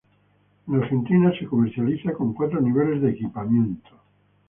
En Argentina se comercializa con cuatro niveles de equipamiento.